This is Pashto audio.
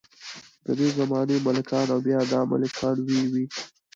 ددې زمانې ملکان او بیا دا ملکان وۍ وۍ.